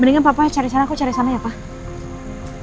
mendingan papa cari sana kok cari sana ya pak